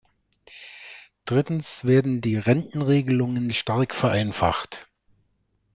Drittens werden die Rentenregelungen stark vereinfacht.